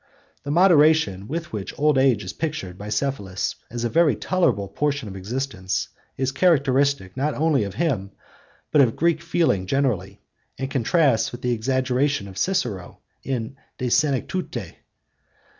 The moderation with which old age is pictured by Cephalus as a very tolerable portion of existence is characteristic, not only of him, but of Greek feeling generally, and contrasts with the exaggeration of Cicero in the De Senectute.